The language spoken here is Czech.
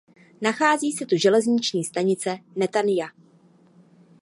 Nachází se tu železniční stanice Netanja.